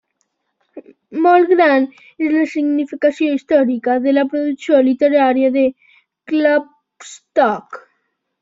Molt gran és la significació històrica de la producció literària de Klopstock.